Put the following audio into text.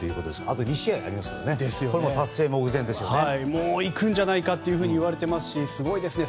あと２試合ありますからいくんじゃないかといわれていますしすごいですね。